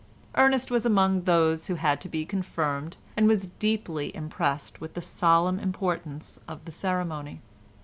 Ernest was among those who had to be confirmed, and was deeply impressed with the solemn importance of the ceremony.